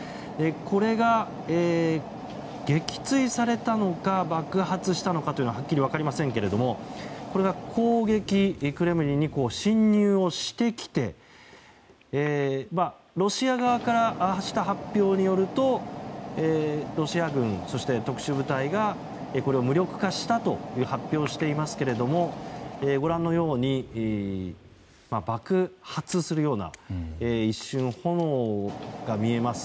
これが撃墜されたのか爆発したのかというのははっきり分かりませんけれどもこれが攻撃クレムリンに侵入してきてロシア側からした発表によるとロシア軍、特殊部隊が無力化したと発表していますがご覧のように爆発するような一瞬、炎が見えます。